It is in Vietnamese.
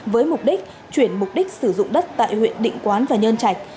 với mục đích chuyển mục đích sử dụng đất tại huyện định quán và nhân trạch